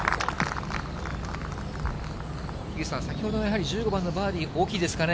樋口さん、先ほどのバーディー、大きいですかね。